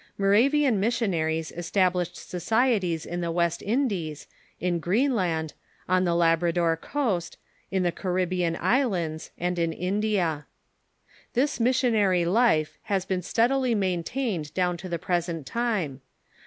Moravian missionaries established societies in the West Indies, in Greenland, on the Labrador coast, in the Caribbean Islands, and in India. This missionary life has been steadily maintained down to the present time.